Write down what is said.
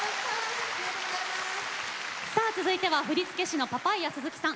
続いては振付師のパパイヤ鈴木さん。